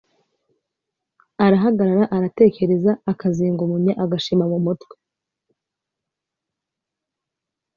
arahagarara aratekereza, akazinga umunya agashima mu mutwe